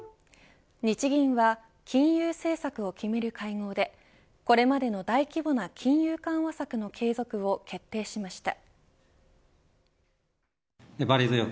日銀は金融政策を決める会合でこれまでの大規模な金融緩和策の継続を決定しました。